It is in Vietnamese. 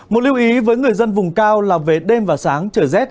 một lưu ý với người dân vùng cao là về đêm và sáng trời rét